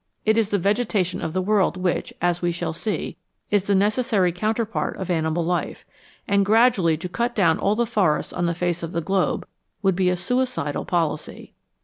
It is the vegetation of the world which, as we shall see, is the necessary counterpart of animal life, and gradually to cut down all the forests on the face of the globe would be a suicidal policy.